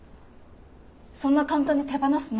そんな簡単に手放すの？